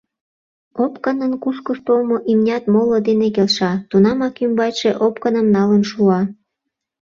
Опкынын кушкыж толмо имнят моло дене келша, тунамак ӱмбачше опкыным налын шуа.